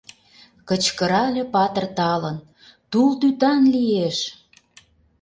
Кычкырале патыр талын: «Тул тӱтан лиеш!»